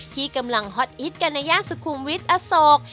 ที่กำลังฮอตฮิตกันในย่านสุขุมวิทย์อโศก